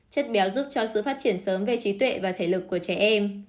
chất béo giúp cho sự phát triển sớm về trí tuệ và thể lực của trẻ em